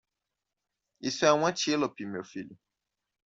Isso é um antílope meu filho.